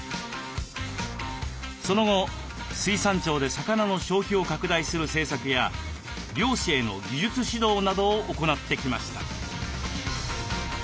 その後水産庁で魚の消費を拡大する政策や漁師への技術指導などを行ってきました。